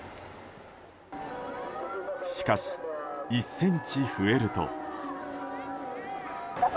しかし、１ｃｍ増えると。